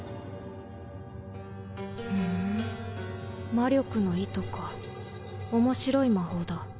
ふん魔力の糸か面白い魔法だ。